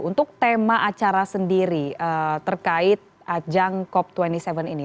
untuk tema acara sendiri terkait ajang cop dua puluh tujuh ini